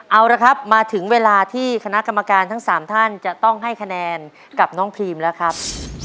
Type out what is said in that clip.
เอาละครับมาถึงเวลาที่คณะกรรมการทั้ง๓ท่านจะต้องให้คะแนนกับน้องพรีมแล้วครับ